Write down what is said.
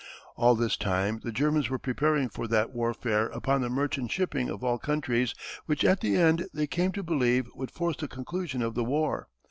All this time the Germans were preparing for that warfare upon the merchant shipping of all countries which at the end they came to believe would force the conclusion of the war.